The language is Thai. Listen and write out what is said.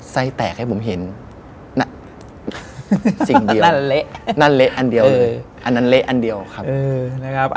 ใส่แตกให้ผมเห็นนั่นเละอันเดียวเลย